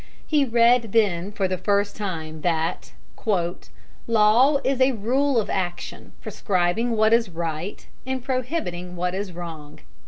He read then for the first time that "Law is a rule of action prescribing what is right and prohibiting what is wrong."